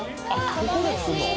ここで作んの？